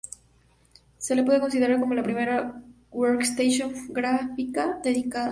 Se la puede considerar como la primera workstation gráfica dedicada.